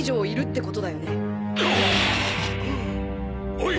おい！